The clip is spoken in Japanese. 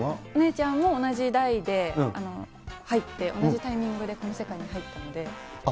お姉ちゃんも同じ代で入って、同じタイミングでこの世界に入ったので。